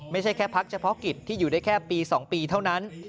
ไม่ใช่แค่พักเฉพาะกิจที่อยู่ได้แค่ปี๒ปีเท่านั้น